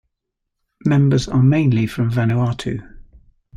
Members are mainly from Vanuatu.